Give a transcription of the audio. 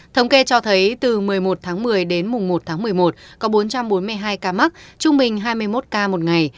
thống kê cho thấy từ một mươi một tháng một mươi đến mùng một tháng một mươi một có bốn trăm bốn mươi hai ca mắc trung bình hai mươi một ca một ngày